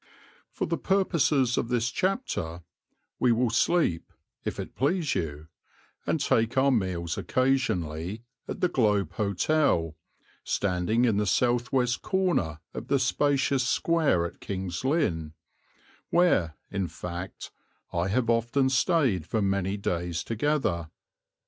For the purposes of this chapter we will sleep, if it please you, and take our meals occasionally, at the Globe Hotel, standing in the south west corner of the spacious square at King's Lynn, where, in fact, I have often stayed for many days together.